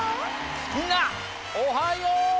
みんなおはよう！